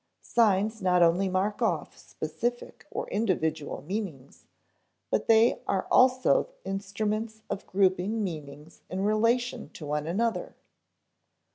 Signs not only mark off specific or individual meanings, but they are also instruments of grouping meanings in relation to one another.